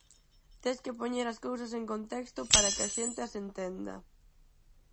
Tes que poñer as cousas en contexto para que a xente as entenda.